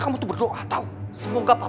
aku cuma pengen tahu aja